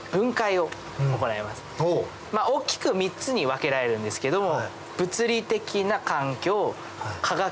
大きく３つに分けられるんですけども。